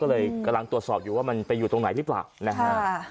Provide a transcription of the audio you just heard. ก็เลยกำลังตรวจสอบอยู่ว่ามันไปอยู่ตรงไหนหรือเปล่านะฮะ